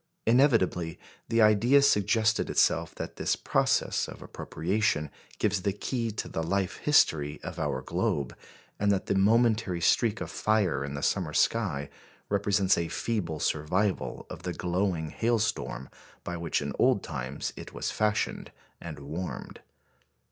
Inevitably the idea suggested itself that this process of appropriation gives the key to the life history of our globe, and that the momentary streak of fire in the summer sky represents a feeble survival of the glowing hailstorm by which in old times it was fashioned and warmed.